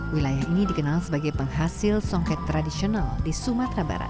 wilayah ini dikenal sebagai penghasil songket tradisional di sumatera barat